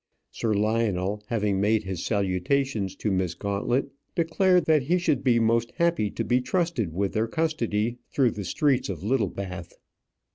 Sir Lionel, having made his salutations to Miss Gauntlet, declared that he should be most happy to be trusted with their custody through the streets of Littlebath.